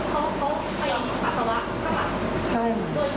กรอกกรอกขาใช่มั้ย